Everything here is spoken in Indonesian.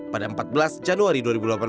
pada empat belas januari dua ribu delapan belas